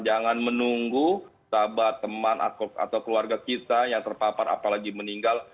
jangan menunggu sahabat teman atau keluarga kita yang terpapar apalagi meninggal